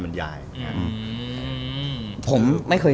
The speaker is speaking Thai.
คุณสมัครอ๋อ